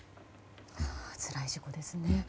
つらい事故ですね。